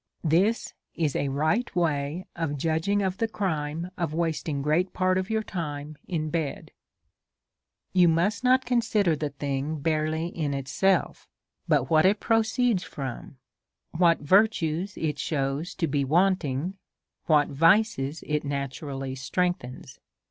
This is the right way of judging of the crime of wasting great part of your time in bed. You must not consider the thing barely in itself, but what it proceeds from ; what virtues it shcAvs to be wanting ; what vices it naturally strengthens.